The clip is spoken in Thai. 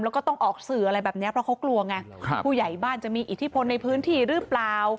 แล้วก็ต้องออกสื่ออะไรแบบนี้เพราะเขากลัวไงผู้ใหญ่บ้านจะมีอิทธิพลในพื้นที่หรือเปล่า